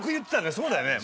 そうだよね。